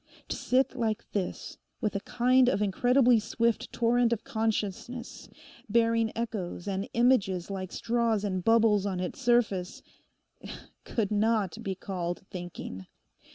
To sit like this, with a kind of incredibly swift torrent of consciousness, bearing echoes and images like straws and bubbles on its surface, could not be called thinking.